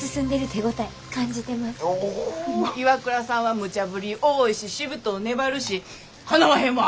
岩倉さんはむちゃぶり多いししぶとう粘るしかなわへんわ。